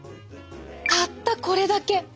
たったこれだけ。